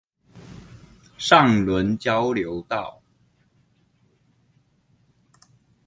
上崙交流道